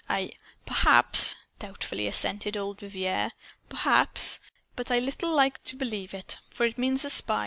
I " "Perhaps," doubtfully assented old Vivier, "perhaps. But I little like to believe it. For it means a spy.